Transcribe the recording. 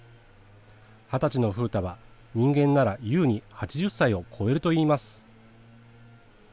二十歳の風太は、人間なら優に８０歳を超えるといいます。